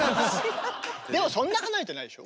でもそんな離れてないでしょ？